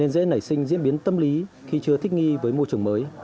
để diễn biến tâm lý khi chưa thích nghi với môi trường mới